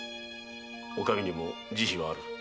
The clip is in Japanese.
お上にも慈悲はある。